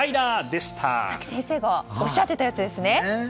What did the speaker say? さっき、先生がおっしゃっていたやつですね。